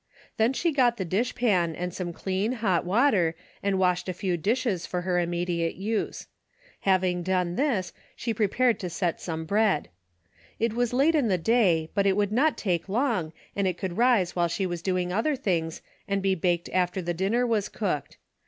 Then she got the dish pan and some clean hot water and washed a few dishes for her im mediate use. Having done this she prepared to set some bread. It was late in the day, but it would not take long, and it could rise while she was doing other things and be baked after the dinner was cooked.